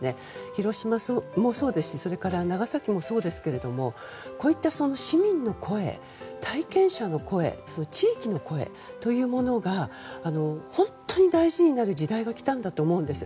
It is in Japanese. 広島もそうですし長崎もそうですけどこういった市民の声、体験者の声地域の声というものが本当に大事になる時代が来たんだと思います。